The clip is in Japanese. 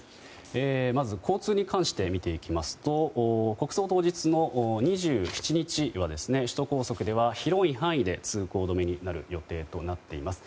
まず交通に関して見ていきますと国葬当日の２７日は首都高速では広い範囲で通行止めになる予定となっています。